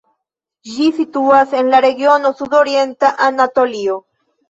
Ĝi situas en la regiono Sudorienta Anatolio.